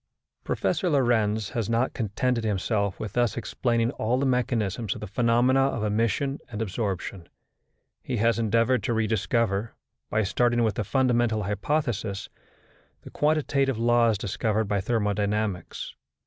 Professor Lorentz has not contented himself with thus explaining all the mechanism of the phenomena of emission and absorption. He has endeavoured to rediscover, by starting with the fundamental hypothesis, the quantitative laws discovered by thermodynamics.